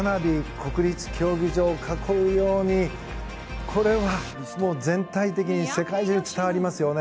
国立競技場を囲うようにこれは全体的に世界中で打ち上がりますよね。